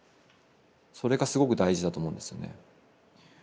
それがすごく大事だと思うんですよね。